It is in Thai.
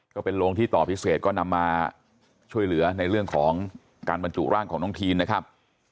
ก็เป็นโรงที่ต่อพิเศษก็นำมาช่วยเหลือในเรื่องของการบรรจุร่างของน้องทีนนะครับ